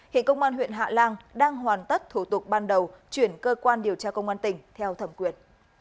hiện công an huyện hạ lan đang hoàn tất thủ tục ban đầu chuyển cơ quan điều tra công an tỉnh theo thẩm quyền